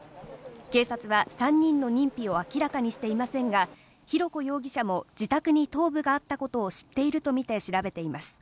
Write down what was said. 警察は３人の認否を明らかにしていませんが、浩子容疑者も自宅に頭部があったことを知っているとみて調べています。